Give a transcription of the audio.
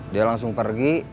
dia langsung pergi